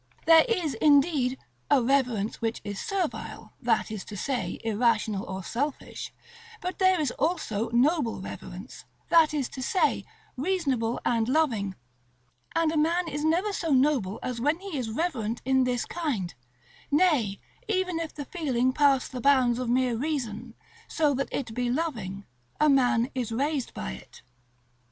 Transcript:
There is, indeed, a reverence which is servile, that is to say, irrational or selfish: but there is also noble reverence, that is to say, reasonable and loving; and a man is never so noble as when he is reverent in this kind; nay, even if the feeling pass the bounds of mere reason, so that it be loving, a man is raised by it.